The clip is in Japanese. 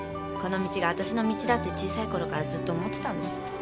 この道が私の道だって小さいころからずっと思ってたんです。